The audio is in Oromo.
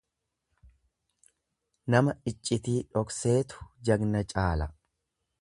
Nama iccitii dhokseetu jagna caala.